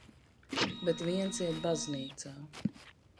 Bet viens iet baznīcā.